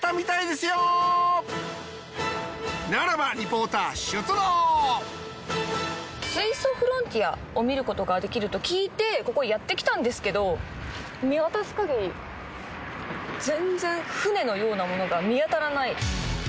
すいそふろんてぃあを見ることができると聞いてここへやってきたんですけど見渡すかぎり全然船のようなものが見当たらない。